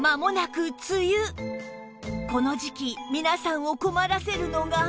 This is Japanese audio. この時期皆さんを困らせるのが